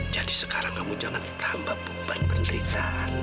jadi sekarang kamu jangan tambah beban penderitaannya